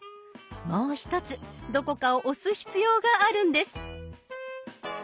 もう一つどこかを押す必要があるんです。